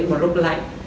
một lúc lạnh